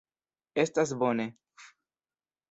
Estas bone!